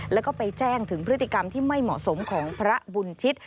แล้วก็ไปแจ้งถึงพฤติกรรมที่ไม่เหมาะสมของพระบุญชิต